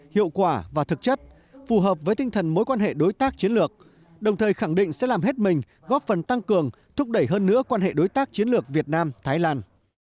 hiệu quả và thực chất phù hợp với tinh thần mối quan hệ đối tác chiến lược đồng thời khẳng định sẽ làm hết mình góp phần tăng cường thúc đẩy hơn nữa quan hệ đối tác chiến lược việt nam thái lan